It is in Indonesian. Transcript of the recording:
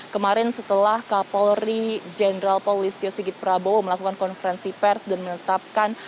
kemarin setelah kapolri jenderal polisi tio sigit prabowo melakukan konferensi pers dan menetapkan